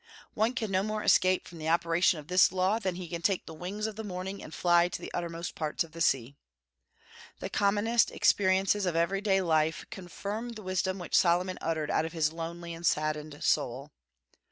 One can no more escape from the operation of this law than he can take the wings of the morning and fly to the uttermost parts of the sea. The commonest experiences of every day life confirm the wisdom which Solomon uttered out of his lonely and saddened soul.